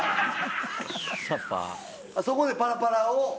そこでパラパラを。